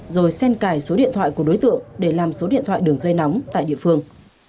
rồi sen cài số điện thoại của đối tượng để làm số điện thoại đường dây nóng tại địa phương